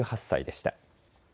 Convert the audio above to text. ８８歳でした。